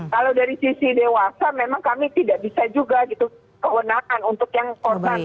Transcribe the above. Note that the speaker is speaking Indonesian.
kalau dari sisi dewasa memang kami tidak bisa juga gitu kewenangan untuk yang korban